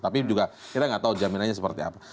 tapi juga kita nggak tahu jaminannya seperti apa